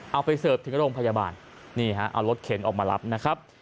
เอาไปเสิร์ฟถึงโรงพยาบาลนี่ฮะเอารถเข็นออกมารับนะครับ